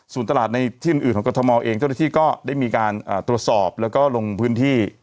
ส่วนตลาดในที่อื่นของกรทมเองเจ้าหน้าที่ก็ได้มีการตรวจสอบแล้วก็ลงพื้นที่